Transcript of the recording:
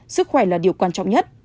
sức khỏe là điều quan trọng nhất